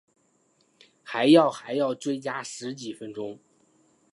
还要还要追加十几分钟